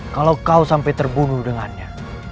kalau kau sampai terbunuh dengannya